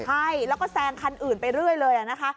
ใช่แล้วก็แซงคันอื่นไปเรื่อยเลยนะคะ